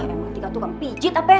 emang tika tuh pengpijit apa ya